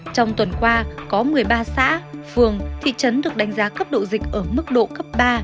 trong tuần qua có một mươi ba xã phường thị trấn được đánh giá cấp độ dịch ở mức độ cấp ba